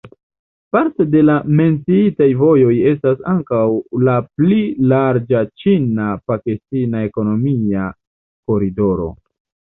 Parto de la menciitaj vojoj estas ankaŭ la pli larĝa ĉina-pakistana ekonomia koridoro.